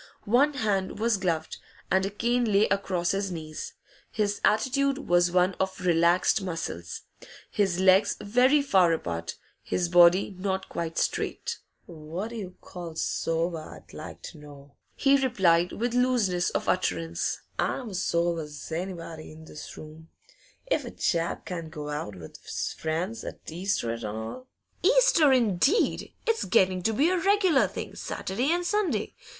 One hand was gloved, and a cane lay across his knees. His attitude was one of relaxed muscles, his legs very far apart, his body not quite straight. 'What d' you call sober, I'd like to know?' he replied, with looseness of utterance. 'I'm as sober 's anybody in this room. If a chap can't go out with 's friends 't Easter an' all ?' 'Easter, indeed! It's getting to be a regular thing, Saturday and Sunday.